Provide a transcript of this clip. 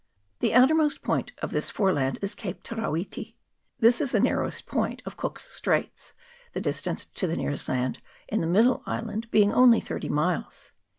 The outermost point of this foreland is Cape Te ra witi. This is the narrowest point of Cook's Straits, the distance to the nearest land in the middle island being only thirty miles.